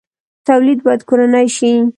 تولید باید کورنی شي